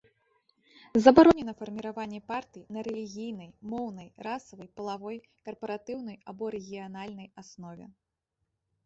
Забаронена фарміраванне партый на рэлігійнай, моўнай, расавай, палавой, карпаратыўнай або рэгіянальнай аснове.